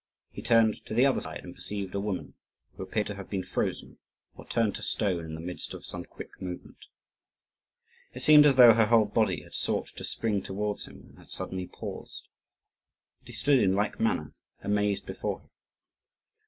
He turned to the other side and perceived a woman, who appeared to have been frozen or turned to stone in the midst of some quick movement. It seemed as though her whole body had sought to spring towards him, and had suddenly paused. And he stood in like manner amazed before her.